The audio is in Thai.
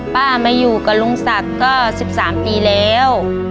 ป้ามาอยู่กับลุงสักก็๑๓ปีแล้ว